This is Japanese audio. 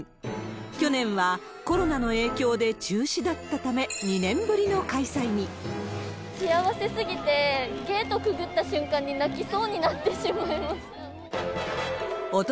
去年はコロナの影響で中止だったため、幸せすぎて、ゲートくぐった瞬間に泣きそうになってしまいました。